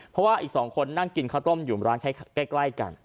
เพราะว่าอีก๒คนนั่งกินข้าวต้มอยู่ร้านใกล้กัน